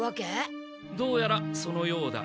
どうやらそのようだ。